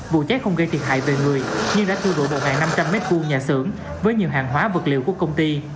vụ cháy không gây thiệt hại về người nhưng đã thu đổ một năm trăm linh m hai nhà xưởng với nhiều hàng hóa vật liệu của công ty